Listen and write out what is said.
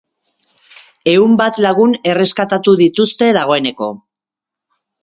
Ehun bat lagun erreskatatu dituzte dagoeneko.